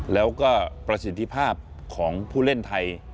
แล้วก็ประสิทธิภาพของผู้เล่นไทย